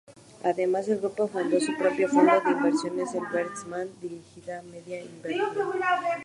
Además, el grupo fundó su propio fondo de inversiones, el Bertelsmann Digital Media Investments.